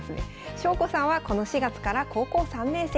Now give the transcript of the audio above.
翔子さんはこの４月から高校３年生。